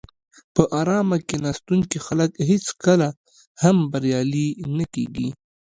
په آرامه کیناستونکي خلک هېڅکله هم بریالي نه کېږي.